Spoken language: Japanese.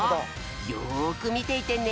よくみていてね。